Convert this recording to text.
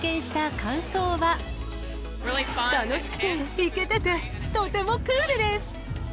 楽しくて、イケてて、とてもクールです。